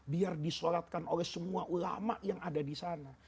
biar disolatkan oleh semua ulama yang ada disana